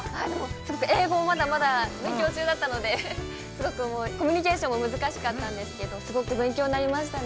◆英語も、まだまだ勉強中だったので、すごいコミュニケーションも難しかったんですけど、すごく勉強になりましたね。